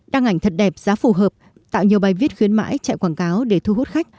đăng ảnh thật đẹp giá phù hợp tạo nhiều bài viết khuyến mãi chạy quảng cáo để thu hút khách